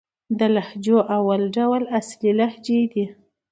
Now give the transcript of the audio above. د لهجو اول ډول اصلي لهجې دئ.